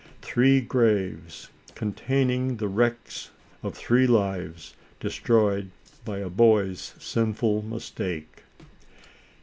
Three graves, containing the wrecks of three lives, destroyed by a boy's sinful mistake.